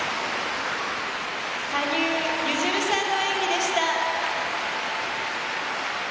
「羽生結弦さんの演技でした」。